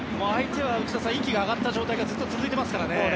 相手は息が上がった状態が続いていますからね。